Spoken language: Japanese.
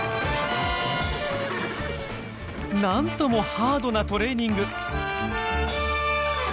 なんともハードなトレーニング。